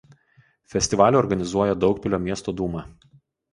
Festivalį organizuoja Daugpilio miesto Dūma.